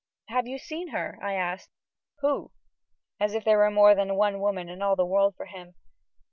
"Have you seen her?" I asked. "Who?" As if there were more than one woman in all the world for him.